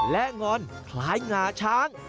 และงอนคล้ายหงาช้าง